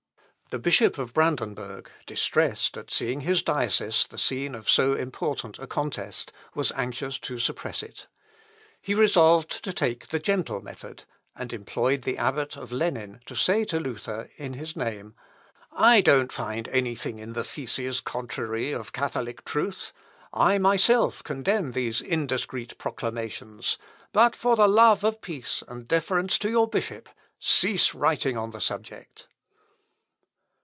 The Bishop of Brandenburg, distressed at seeing his diocese the scene of so important a contest, was anxious to suppress it. He resolved to take the gentle method, and employed the Abbot of Lenin to say to Luther, in his name, "I don't find any thing in the theses contradictory of Catholic truth. I myself condemn these indiscreet proclamations; but for the love of peace and deference to your bishop, cease writing on the subject."